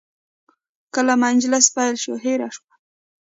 کله مجلس پیل شو، هیره شوه.